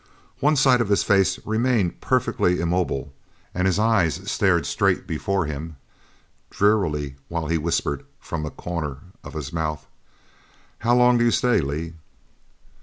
One side of his face remained perfectly immobile and his eyes stared straight before him drearily while he whispered from a corner of his mouth: "How long do you stay, Lee?"